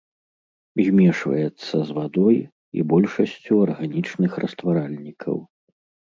Змешваецца з вадой і большасцю арганічных растваральнікаў.